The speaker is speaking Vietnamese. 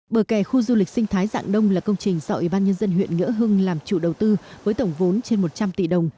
bờ kè khu du lịch sinh thái dạng đông là công trình do ủy ban nhân dân huyện nghĩa hưng làm chủ đầu tư với tổng vốn trên một trăm linh tỷ đồng